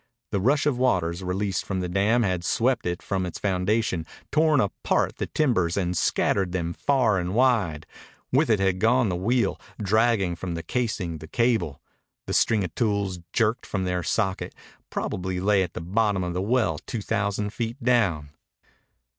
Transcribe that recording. The rush of waters released from the dam had swept it from its foundation, torn apart the timbers, and scattered them far and wide. With it had gone the wheel, dragging from the casing the cable. The string of tools, jerked from their socket, probably lay at the bottom of the well two thousand feet down.